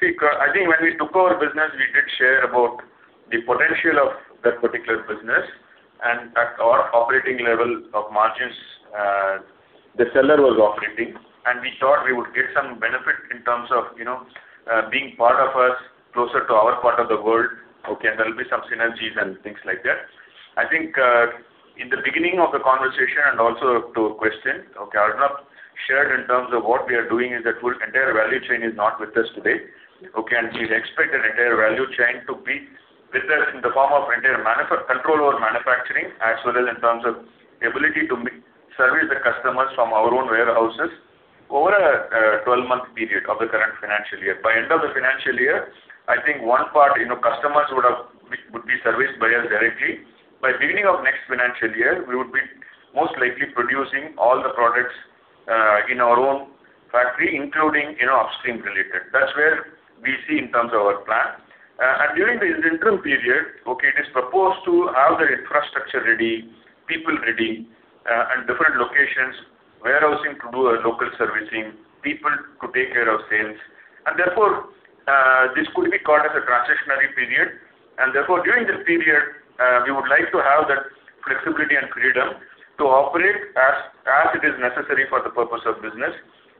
See, I think when we took over business, we did share about the potential of that particular business and at our operating level of margins, the seller was operating, and we thought we would get some benefit in terms of, you know, being part of us, closer to our part of the world. Okay. There'll be some synergies and things like that. I think, in the beginning of the conversation and also to a question, okay, Arnab shared in terms of what we are doing is that whole entire value chain is not with us today. Okay. We expect that entire value chain to be with us in the form of entire control over manufacturing, as well as in terms of ability to service the customers from our own warehouses over a 12-month period of the current financial year. By end of the financial year, I think one part, you know, customers would be serviced by us directly. By beginning of next financial year, we would be most likely producing all the products in our own factory, including, you know, upstream related. That's where we see in terms of our plan. During this interim period, okay, it is proposed to have the infrastructure ready, people ready, and different locations, warehousing to do a local servicing, people to take care of sales. Therefore, this could be called as a transitionary period. Therefore, during this period, we would like to have that flexibility and freedom to operate as it is necessary for the purpose of business.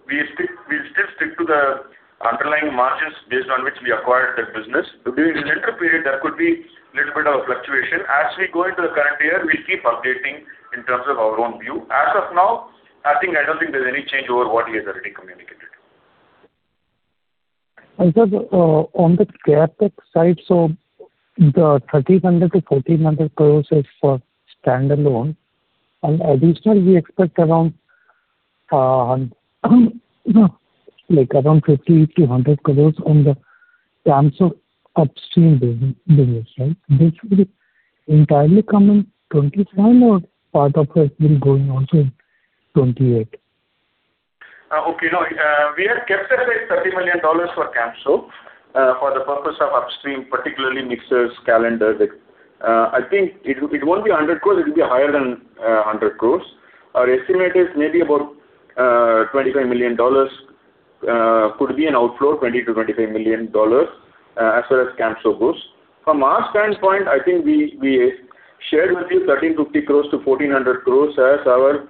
We'll still stick to the underlying margins based on which we acquired that business. During this interim period, there could be little bit of a fluctuation. As we go into the current year, we'll keep updating in terms of our own view. As of now, I think, I don't think there's any change over what we have already communicated. Sir, on the CapEx side, the 1,300-1,400 crores is for standalone. Additional we expect around 50-100 crores on the Camso upstream business, right? This will entirely come in 2027 or part of it will go in also in 2028? Okay. No, we have capitalized $30 million for Camso for the purpose of upstream, particularly mixers, calendars. I think it won't be 100 crores, it will be higher than 100 crores. Our estimate is maybe about $25 million could be an outflow, $20 million-$25 million as far as Camso goes. From our standpoint, I think we shared with you 1,350 crores-1,400 crores as our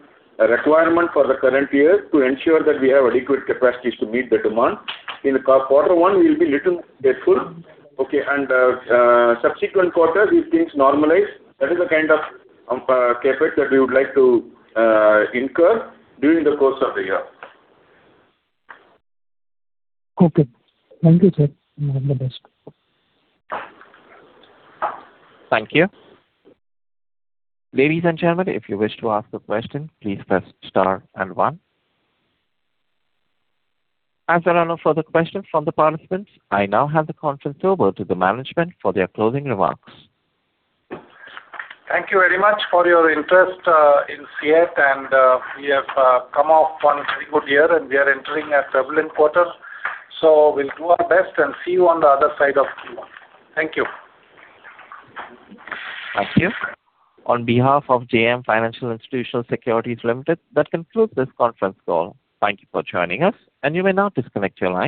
requirement for the current year to ensure that we have adequate capacities to meet the demand. In quarter one, we'll be little careful. Okay. Subsequent quarters, if things normalize, that is the kind of CapEx that we would like to incur during the course of the year. Okay. Thank you, sir, and all the best. Thank you. Ladies and gentlemen, if you wish to ask a question, please press star and one. As there are no further questions from the participants, I now hand the conference over to the management for their closing remarks. Thank you very much for your interest in CEAT, and we have come off one very good year and we are entering a turbulent quarter. We'll do our best and see you on the other side of Q1. Thank you. Thank you. On behalf of JM Financial Institutional Securities Limited, that concludes this conference call. Thank you for joining us. You may now disconnect your line.